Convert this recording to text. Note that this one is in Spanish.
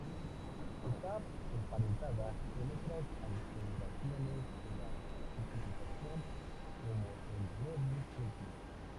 Está emparentada con otras alteraciones de la pigmentación como el nevus simple.